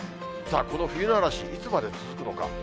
さあ、この冬の嵐、いつまで続くのか。